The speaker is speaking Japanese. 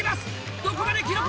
どこまで記録を。